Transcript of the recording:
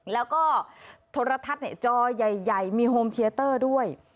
แล้วก็โทรทัศน์จอใหญ่มีโฮมเทียเตอร์ด้วย